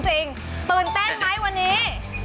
ตื่นเต้นไหมวันนี้